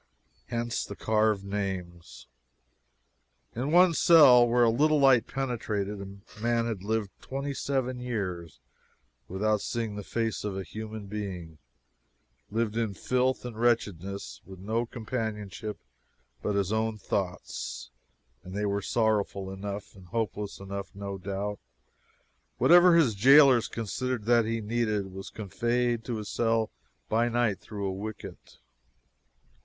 Hence the carved names. In one cell, where a little light penetrated, a man had lived twenty seven years without seeing the face of a human being lived in filth and wretchedness, with no companionship but his own thoughts, and they were sorrowful enough and hopeless enough, no doubt. Whatever his jailers considered that he needed was conveyed to his cell by night through a wicket.